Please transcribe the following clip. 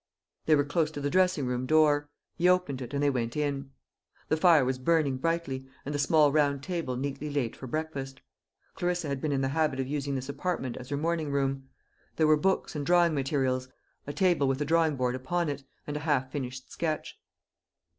They were close to the dressing room door. He opened it, and they went in. The fire was burning brightly, and the small round table neatly laid for breakfast. Clarissa had been in the habit of using this apartment as her morning room. There were books and drawing materials, a table with a drawing board upon it, and a half finished sketch.